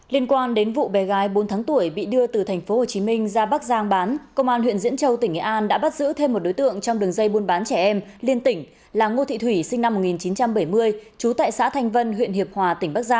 liên quan đến vụ bé gái bốn tháng tuổi bị đưa từ tp hcm ra bắc giang bán công an huyện diễn châu tỉnh nghệ an đã bắt giữ thêm một đối tượng trong đường dây buôn bán trẻ em liên tỉnh là ngô thị thủy sinh năm một nghìn chín trăm bảy mươi chú tại xã thanh vân huyện hiệp hòa tỉnh bắc giang